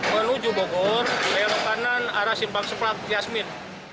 menuju bogor lewat kanan arah simpang seplak yasmin